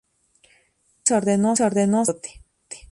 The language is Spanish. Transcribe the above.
En Lima se ordenó sacerdote.